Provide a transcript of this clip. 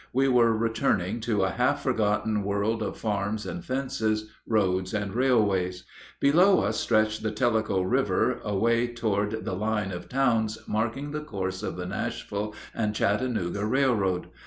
We were returning to a half forgotten world of farms and fences, roads and railways. Below us stretched the Tellico River away toward the line of towns marking the course of the Nashville and Chattanooga Railroad.